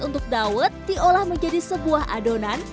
untuk dawet diolah menjadi sebuah adonan